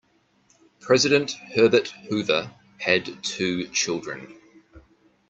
President Herbert Hoover had two children.